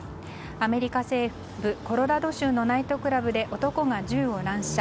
アメリカ西部コロラド州のナイトクラブで男が銃を乱射。